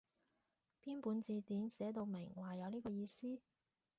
邊本字典寫到明話有呢個意思？